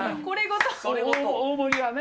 大盛りはね。